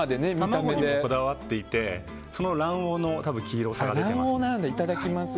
卵にこだわっていて卵黄の黄色さが出てます。